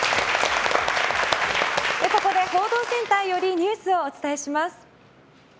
ここで報道センターよりニュースをお伝えします。